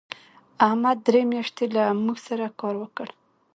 احمد درې میاشتې له موږ سره کار وکړ.